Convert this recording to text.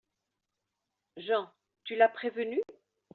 JEAN : Tu l’as prévenue ?